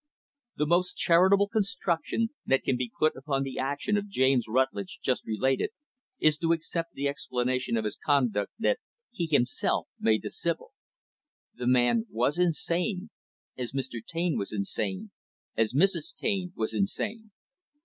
The most charitable construction that can be put upon the action of James Rutlidge, just related, is to accept the explanation of his conduct that he, himself made to Sibyl. The man was insane as Mr. Taine was insane as Mrs. Taine was insane.